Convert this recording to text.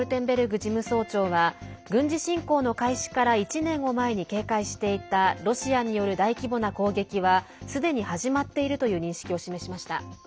事務総長は軍事侵攻の開始から１年を前に警戒していたロシアによる大規模な攻撃はすでに始まっているという認識を示しました。